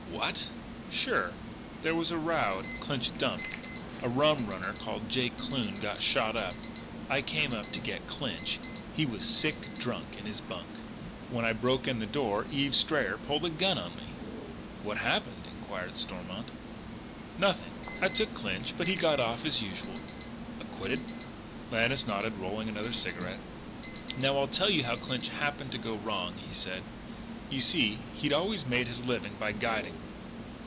"What!" "Sure. There was a row at Clinch's dump. A rum runner called Jake Kloon got shot up. I came up to get Clinch. He was sick drunk in his bunk. When I broke in the door Eve Strayer pulled a gun on me." "What happened?" inquired Stormont. "Nothing. I took Clinch.... But he got off as usual." "Acquitted?" Lannis nodded, rolling another cigarette: "Now, I'll tell you how Clinch happened to go wrong," he said. "You see he'd always made his living by guiding.